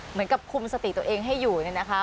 เหมือนกับคุมสติตัวเองให้อยู่เนี่ยนะคะ